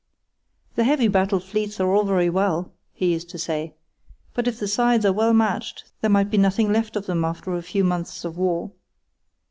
"The heavy battle fleets are all very well," he used to say, "but if the sides are well matched there might be nothing left of them after a few months of war.